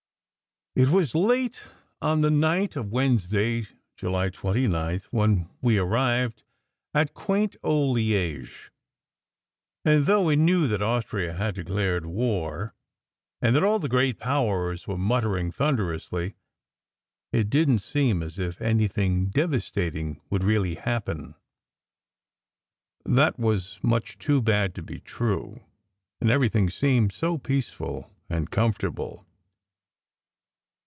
It was late on the night of Wednesday, July 29th, when we arrived at quaint old Liege; and though we knew that Austria had declared war, and that all the great powers were muttering thunderously, it didn t seem as if anything devastating would really happen. That was much too bad to be true, and everything seemed so peaceful and com fortable.